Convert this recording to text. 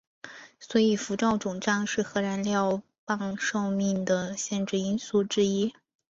所以辐照肿胀是核燃料棒寿命的限制因素之一。